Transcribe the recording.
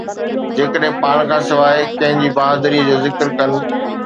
جيڪڏهن پاڻ کان سواءِ ڪنهن جي بهادريءَ جو ذڪر ڪن.